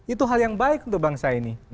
itu hal yang baik untuk bangsa ini